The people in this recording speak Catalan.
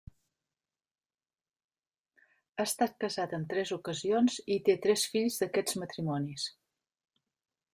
Ha estat casat en tres ocasions i té tres fills d'aquests matrimonis.